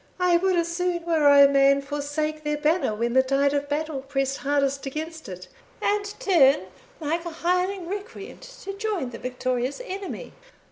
I would as soon, were I a man, forsake their banner when the tide of battle pressed hardest against it, and turn, like a hireling recreant, to join the victorious enemy."